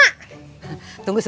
mak emang ke rumah